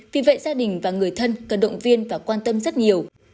vì vậy gia đình và người thân cần động viên và quan tâm rất nhiều